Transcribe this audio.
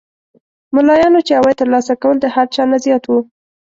ملایانو چې عواید تر لاسه کول د هر چا نه زیات وو.